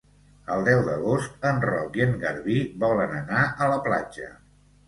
El deu d'agost en Roc i en Garbí volen anar a la platja.